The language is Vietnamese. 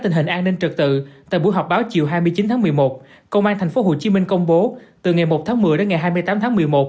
chín tháng một mươi một công an thành phố hồ chí minh công bố từ ngày một tháng một mươi đến ngày hai mươi tám tháng một mươi một